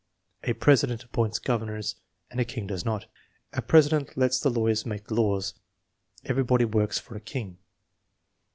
"A president appoints governors and a king does not." "A president lets the lawyers make the laws." "Everybody works for a king."